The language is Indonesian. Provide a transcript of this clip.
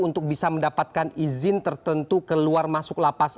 untuk bisa mendapatkan izin tertentu keluar masuk lapas